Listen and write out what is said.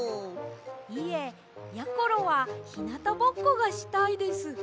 いえやころはひなたぼっこがしたいです。